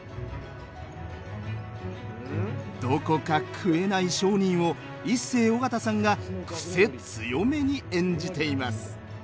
どこか食えない商人をイッセー尾形さんが癖強めに演じています。